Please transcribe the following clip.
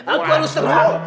aku harus terbang